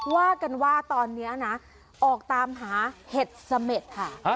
ว่ากันว่าตอนนี้นะออกตามหาเห็ดเสม็ดค่ะ